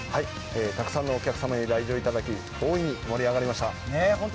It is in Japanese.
たくさんのお客様に来場いただき盛り上がりました。